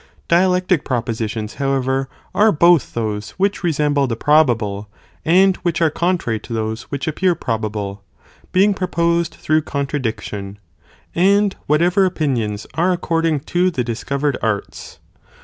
* Dialectic propositions however are and 15, both those which resemble the probable and which are contrary to those which appear probable, being proposed through contradiction, and whatever opinions are tooo trite according to the discovered arts.